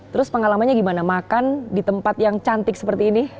terus pengalamannya gimana makan di tempat yang cantik seperti ini